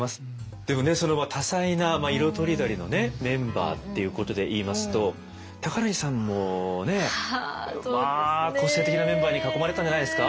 でもねその多彩な色とりどりのねメンバーっていうことでいいますと高柳さんもねまあ個性的なメンバーに囲まれてたんじゃないですか。